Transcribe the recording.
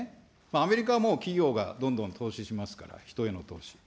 アメリカはもう企業がどんどん投資しますから、人への投資。